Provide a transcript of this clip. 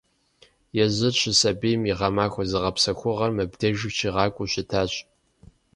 Езыр щысабийм и гъэмахуэ зыгъэпсэхугъуэр мыбдежым щигъакӀуэу щытащ.